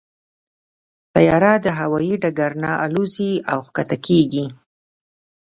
طیاره د هوايي ډګر نه الوزي او کښته کېږي.